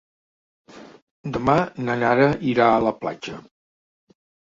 Demà na Nara irà a la platja.